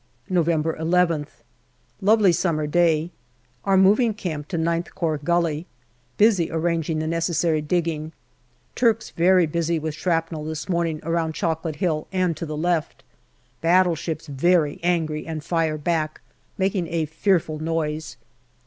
November 11th. Lovely summer day. Are moving camp to IX Corps Gully. Busy arranging the necessary digging. Turks very busy with shrapnel this morning around Chocolate Hill and to the left. Battleships very angry and fire back, making a fearful noise.